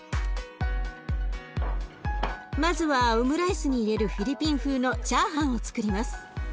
まずはオムライスに入れるフィリピン風のチャーハンをつくります。